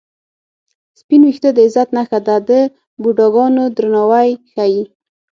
سپین وېښته د عزت نښه ده د بوډاګانو درناوی ښيي